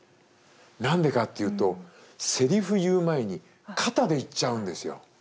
何でかっていうとセリフ言う前に肩でいっちゃうんですよ。